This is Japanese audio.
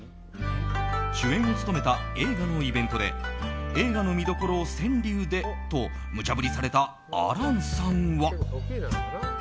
主演を務めた映画のイベントで映画の見どころを川柳でとむちゃ振りされた亜嵐さんは。